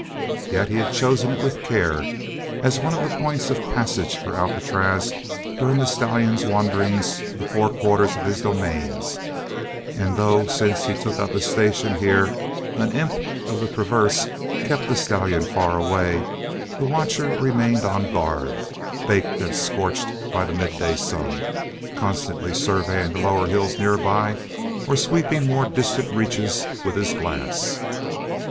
Yet he had chosen it with care as one of the points of passage for Alcatraz during the stallion's wanderings to the four quarters of his domains and though since he took up his station here an imp of the perverse kept the stallion far away, the watcher remained on guard, baked and scorched by the midday sun, constantly surveying the lower hills nearby or sweeping more distant reaches with his glass.